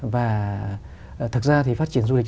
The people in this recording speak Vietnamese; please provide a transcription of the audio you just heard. và thật ra phát triển du lịch